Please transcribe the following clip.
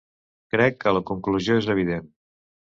Crec que la conclusió és evident.